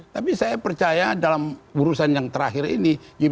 tapi saya percaya dalam urusan yang terakhir ini